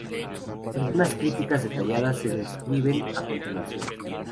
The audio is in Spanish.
Algunas críticas detalladas se describen a continuación.